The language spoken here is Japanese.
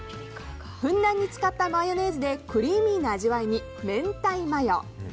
ふんだんに使ったマヨネーズでクリーミーな味わいに、明太マヨ。